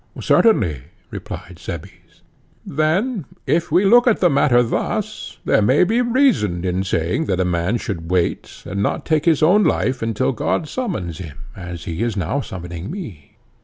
Certainly, replied Cebes. Then, if we look at the matter thus, there may be reason in saying that a man should wait, and not take his own life until God summons him, as he is now summoning me.